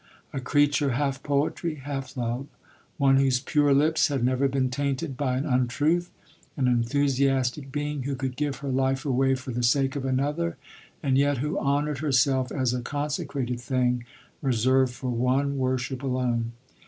A creature half poetry, half love — one whose pure lips had never been tainted by an untruth — an enthusi astic being, who could give her life away for the sake of another, and yet who honoured her self as a consecrated thing reserved for one wor ship alone.